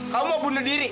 kamu mau bunuh diri